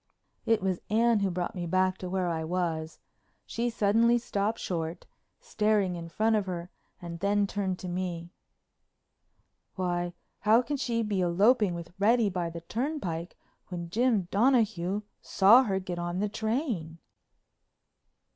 It was Anne who brought me back to where I was. She suddenly stopped short, staring in front of her and then turned to me: "Why, how can she be eloping with Reddy by the turnpike when Jim Donahue saw her get on the train?"